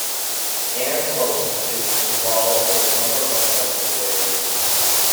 An Post is involved in a number of subsidiaries.